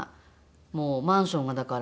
もうマンションがだから。